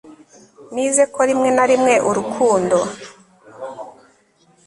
nize ko rimwe na rimwe urukundo